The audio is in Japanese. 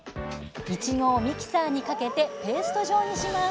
いちごをミキサーにかけてペースト状にします